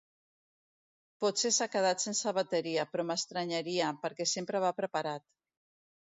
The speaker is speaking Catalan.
Potser s'ha quedat sense bateria, però m'estranyaria, perquè sempre va preparat.